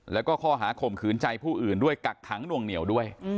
แล้วก็ข้อหาข่มขืนใจผู้อื่นด้วยกักขังหน่วงเหนียวด้วย